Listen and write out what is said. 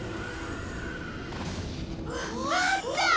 あった！